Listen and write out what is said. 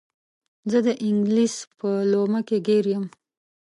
زه د انګلیس په لومه کې ګیر یم.